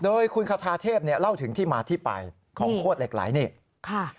โดยคุณขทาเทพเล่าถึงที่มาที่ไปของโคตรเหล็กไหล่นี่